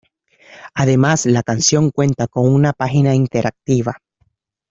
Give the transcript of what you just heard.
Además la canción cuenta con una página interactiva.